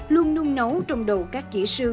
luôn nung nấu trong đầu các kỹ sư